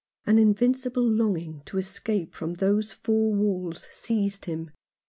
An invincible longing to escape from those four walls seized him.